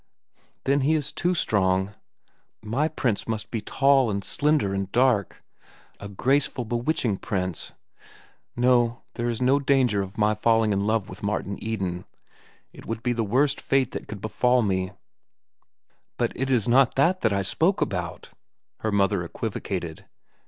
Then he is too strong. My prince must be tall, and slender, and dark—a graceful, bewitching prince. No, there is no danger of my falling in love with Martin Eden. It would be the worst fate that could befall me." "But it is not that that I spoke about," her mother equivocated.